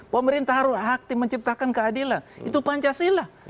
pemerintah harus aktif menciptakan keadilan itu pancasila